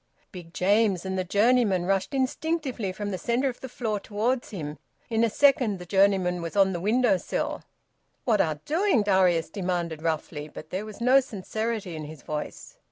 Big James and the journeyman rushed instinctively from the centre of the floor towards him. In a second the journeyman was on the window sill. "What art doing?" Darius demanded roughly; but there was no sincerity in his voice.